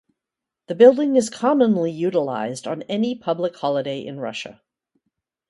The building is commonly utilized on any public holiday in Russia.